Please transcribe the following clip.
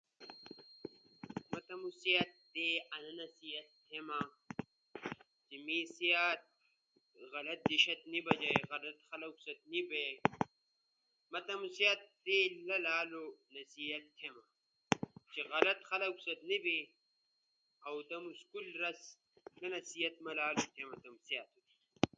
ما تمو سأت تی انا نصیحت تھیما چی می سأت غلط دیشائی نی بجئی، غلط خلقو ست نی بئی۔ می تمو سأت تی لالو نصیحت تھیما۔ غلط خلقو ست نی بئی اؤ تمو اسکول رس سا نصیحت ما لالو تمو سأت تی تھیما۔